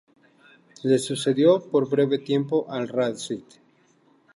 Le sucedió, por breve tiempo, Al-Rashid.